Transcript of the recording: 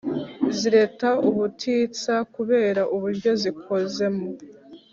Zireta ubutitsa kubera uburyo zikozemo